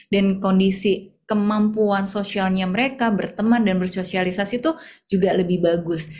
dan kondisi kemampuan sosialnya mereka berteman dan bersosialisasi itu juga lebih bagus